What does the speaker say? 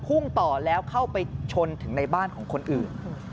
พุ่งต่อแล้วเข้าไปชนถึงในบ้านของคนอื่น